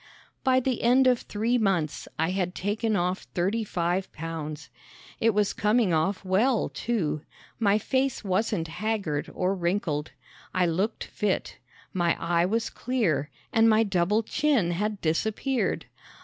By the end of three months I had taken off thirty five pounds. It was coming off well, too. My face wasn't haggard or wrinkled. I looked fit. My eye was clear and my double chin had disappeared.